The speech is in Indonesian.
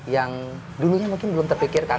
yang dulunya mungkin belum terpikirkan